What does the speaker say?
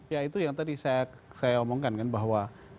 ya itu yang tadi saya omongkan kan bahwa